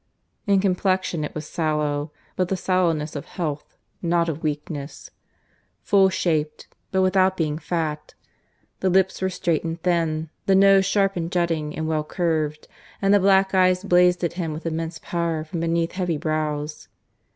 In complexion it was sallow, but the sallowness of health, not of weakness; full shaped, but without being fat; the lips were straight and thin, the nose sharp and jutting and well curved, and the black eyes blazed at him with immense power from beneath heavy brows.